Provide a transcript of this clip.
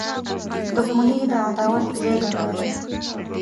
• دښمني د عداوت زیږنده ده.